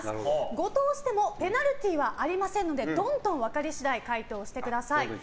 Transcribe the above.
誤答してもペナルティーはありませんのでどんどん、分かり次第回答してください。